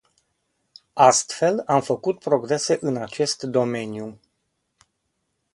Astfel, am făcut progrese în acest domeniu.